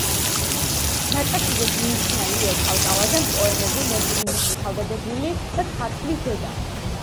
ნაკაშიძეს მიუძღვნა ილია ჭავჭავაძემ პოემები „მეფე დიმიტრი თავდადებული“ და „ქართვლის დედა“.